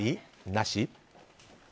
なし？